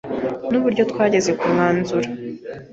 Nuburyo twageze ku mwanzuro.